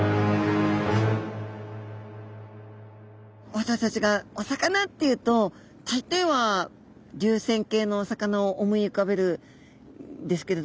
私たちがお魚っていうと大抵は流線形のお魚を思い浮かべるんですけれども。